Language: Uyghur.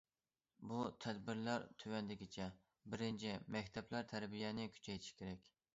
بۇ تەدبىرلەر تۆۋەندىكىچە: بىرىنچى، مەكتەپلەر تەربىيەنى كۈچەيتىش كېرەك.